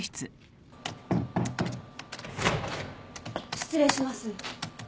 失礼します。